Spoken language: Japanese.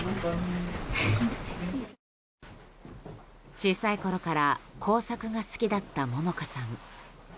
小さいころから工作が好きだった桃加さん。